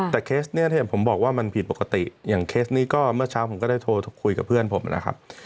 แต่เคสนี้ที่ผมบอกว่ามันผิดปกติอย่างเคสนี้ก็เมื่อเช้าผมก็ได้โทรคุยกับเพื่อนผมนะครับ